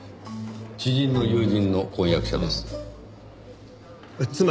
知人の友人の婚約者です。